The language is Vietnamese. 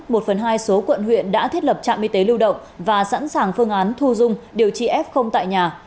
một phần hai số quận huyện đã thiết lập trạm y tế lưu động và sẵn sàng phương án thu dung điều trị f tại nhà